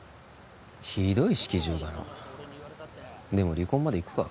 ひどい式場だなでも離婚までいくか？